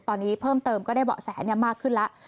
ตอนนี้เพิ่มเติมก็ได้เบาะแสมากขึ้นแล้ว